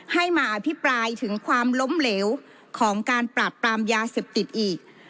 ให้มาอภิปรายถึงความล้มเหลวของการปราบปรามยาเสพติดอีก